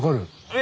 え！